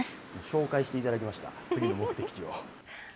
紹介していただきました、次の目的地を。